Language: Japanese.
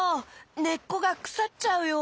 ねっこがくさっちゃうよ。